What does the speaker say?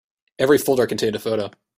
Every folder contained a photo.